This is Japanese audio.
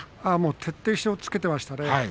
徹底して押っつけていましたね。